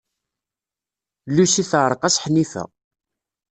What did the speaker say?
Lucy teɛreq-as Ḥnifa.